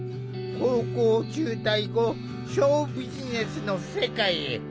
高校を中退後ショービジネスの世界へ。